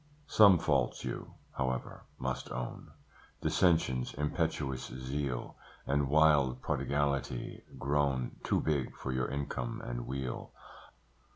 Some faults you, however, must own; Dissensions, impetuous zeal, And wild prodigality, grown Too big for your income and weal.